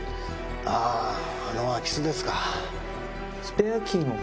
あぁあの空き巣ですか。